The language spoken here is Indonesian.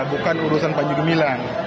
bukan urusan panjigo milang